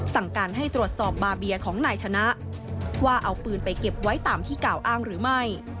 สั่งการให้ตรวจสอบบาเบียของนายชนะว่าเอาปืนไปเก็บไว้ตามที่กล่าวอ้างหรือไม่